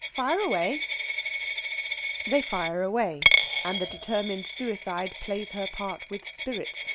Fire away!" They fire away, and the determined suicide plays her part with spirit.